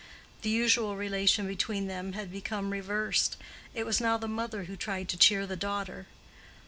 The usual relation between them had become reversed. It was now the mother who tried to cheer the daughter.